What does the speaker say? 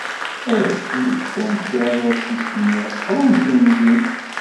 Arrac-nni ččan kan rfis-nni, qrumten din.